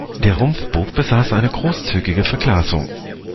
Der Rumpfbug besaß eine großzügige Verglasung.